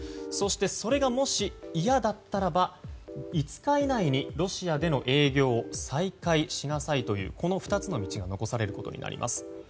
そして、それがもし嫌だったら５日以内のロシアでの営業を再開しなさいというこの２つの道が残されることになります。